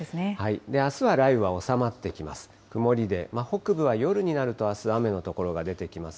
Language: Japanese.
あすは雷雨は収まってきます。